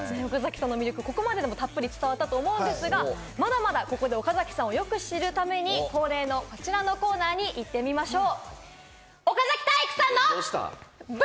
岡崎さんの魅力をここまででもたっぷり伝わったと思うんですが、まだまだ、ここで岡崎さんを知るために恒例のこちらのコーナーに行ってみましょう。